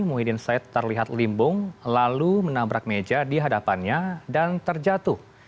muhyiddin said terlihat limbung lalu menabrak meja di hadapannya dan terjatuh